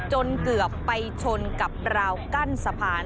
จนเกือบไปชนกับราวกั้นสะพาน